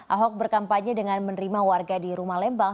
ahok berkampanye dengan menerima warga di rumah lembang